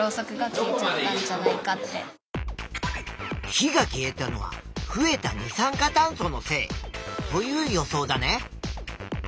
火が消えたのは増えた二酸化炭素のせいという予想だね。